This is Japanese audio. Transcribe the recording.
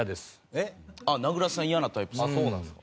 えっ？あっ名倉さん嫌なタイプですか。